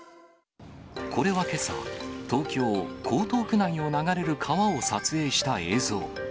これはけさ、東京・江東区内を流れる川を撮影した映像。